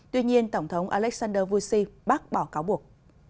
tuy nhiên tổng thống alexander fushi bác bỏ cáo buộc